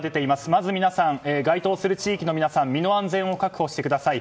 まず該当する地域の皆さん身の安全を確保してください。